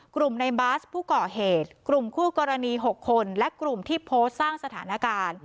กลุ่มในบาสผู้ก่อเหตุกลุ่มคู่กรณี๖คนและกลุ่มที่โพสต์สร้างสถานการณ์